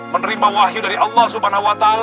menerima wahyu dari allah swt